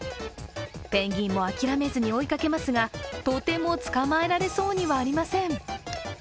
ペンギンもあきらめずに追いかけますが、とても捕まえられそうにはありません。